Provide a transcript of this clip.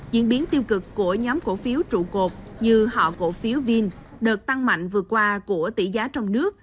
diễn biến tiêu cực của nhóm cổ phiếu trụ cột như họ cổ phiếu vin đợt tăng mạnh vừa qua của tỷ giá trong nước